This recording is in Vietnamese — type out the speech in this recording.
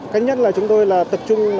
cái nhất là chúng tôi tập trung